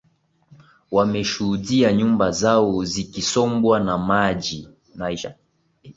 wameshuhudia nyumba zao zikisombwa na maji